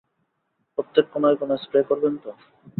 প্রত্যেক কোণায় কোণায় স্প্রে করবেন তো?